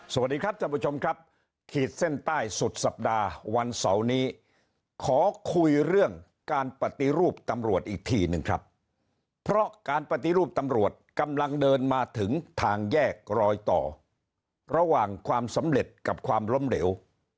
สวัสดีครับท่านผู้ชมครับขีดเส้นใต้สุดสัปดาห์วันเสาร์นี้ขอคุยเรื่องการปฏิรูปตำรวจอีกทีหนึ่งครับเพราะการปฏิรูปตำรวจกำลังเดินมาถึงทางแยกรอยต่อระหว่างความสำเร็จกับความล้มเหลว